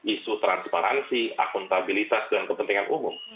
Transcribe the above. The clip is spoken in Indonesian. isu transparansi akuntabilitas dan kepentingan umum